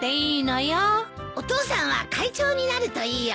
お父さんは会長になるといいよ。